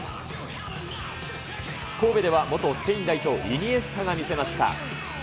神戸では元スペイン代表、イニエスタが見せました。